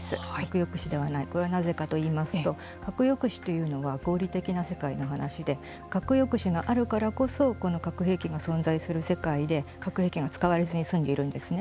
これはなぜかといいますと核抑止というのは合理的な世界の話で核抑止があるからこそこの核兵器の存在する世界で核兵器が使われずに済んでいるんですね。